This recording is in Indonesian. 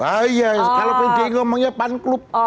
iya kalau ide ngomongnya fan club